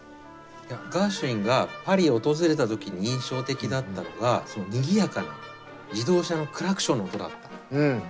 ガーシュウィンがパリを訪れた時に印象的だったのがにぎやかな自動車のクラクションの音だった。